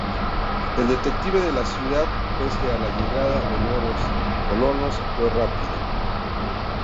El declive de la ciudad, pese a la llegada de nuevos colonos, fue rápido.